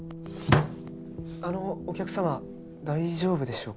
あのお客様大丈夫でしょうか？